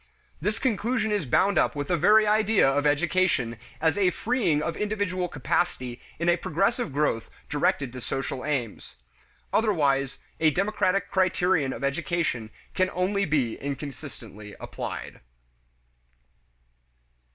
This conclusion is bound up with the very idea of education as a freeing of individual capacity in a progressive growth directed to social aims. Otherwise a democratic criterion of education can only be inconsistently applied.